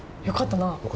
よかったなあ。